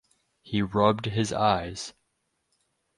He rubbed his eyes.